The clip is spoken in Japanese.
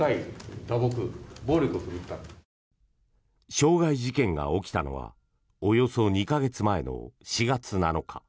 傷害事件が起きたのはおよそ２か月前の４月７日。